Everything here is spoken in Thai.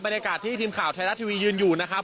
บรรยากาศที่ทีมข่าวไทยรัฐทีวียืนอยู่นะครับ